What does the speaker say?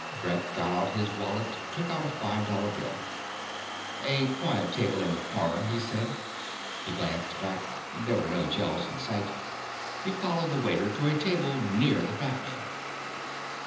Brett got out his wallet, took out a five dollar bill. "A quiet table in the corner," he said. He glanced back. There were no Gels in sight. He followed the waiter to a table near the fat man.